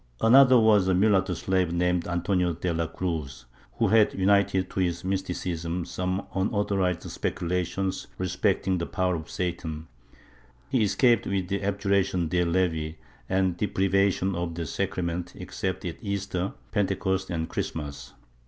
Another was a mulatto slave named Antonio de la Cruz, who had united to his mysticism some unauthorized speculations respecting the power of Satan; he escaped v;ith abju ration de levi and deprivation of the sacrament except at Easter, Pentecost and Christmas.